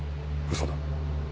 嘘だ。